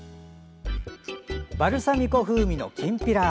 バルサミコ風味のきんぴら。